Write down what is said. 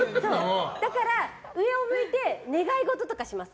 だから上を向いて願いごととかします。